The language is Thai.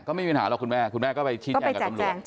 ก็ไม่มีปัญหาแล้วคุณแม่คุณแม่ก็ไปจับแจกแจง